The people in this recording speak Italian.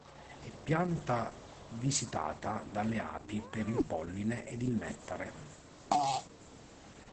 E' pianta visitata dalle api per il polline ed il nettare.